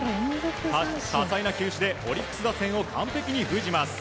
多種多彩な球種でオリックス打線を完璧に封じます。